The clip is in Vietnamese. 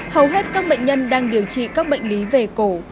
hầu hết các bệnh nhân đang điều trị các bệnh lý về cổ